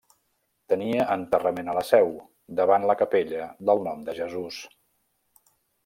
Tenia enterrament a la Seu, davant la capella del Nom de Jesús.